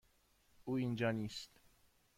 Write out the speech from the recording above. او اینجا نیست.